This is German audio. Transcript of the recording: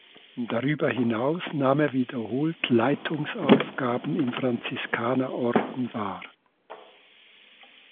Darüber hinaus nahm er wiederholt Leitungsaufgaben im Franziskanerorden wahr.